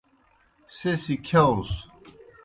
سہ سی کِھیاؤس۔